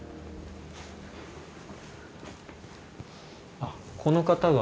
あっこの方が。